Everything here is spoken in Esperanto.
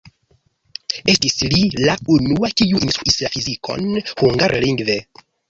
Estis li la unua, kiu instruis la fizikon hungarlingve.